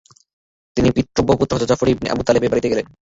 তিনি পিতৃব্যপুত্র হযরত জাফর ইবনে আবু তালেবের বাড়িতে গেলেন।